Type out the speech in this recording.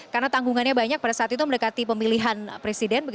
karena tanggungannya banyak pada saat itu mendekati pemilihan presiden